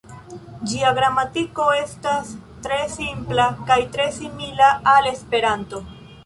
Ĝia gramatiko estas tre simpla kaj tre simila al Esperanto.